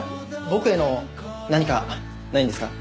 僕への何かないんですか？